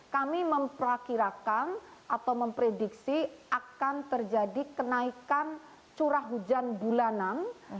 kami memprakirakan atau memprediksi akan terjadi kenaikan curah hujan bulanan